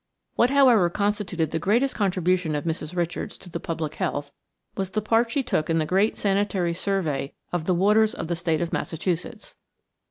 What, however, constituted the greatest contribution of Mrs. Richards to the public health was the part she took in the great sanitary survey of the waters of the State of Massachusetts.